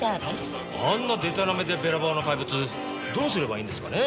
あんなでたらめでべらぼうな怪物どうすればいいんですかね？